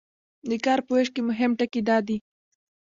د کار په ویش کې مهم ټکي دا دي.